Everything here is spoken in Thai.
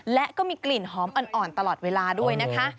และก็มีกลิ่นหอมอ่อนตลอดเวลาด้วยนะคะ